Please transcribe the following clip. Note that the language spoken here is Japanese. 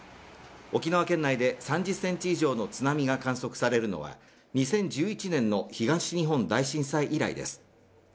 沖縄県内で３０ｃｍ以上の津波が観測されるのは２０１１年の東日本大震災以来です。